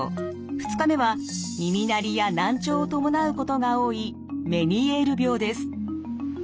２日目は耳鳴りや難聴を伴うことが多いメニエール病です。